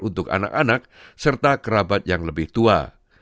untuk anak anak serta kerabat yang lebih tua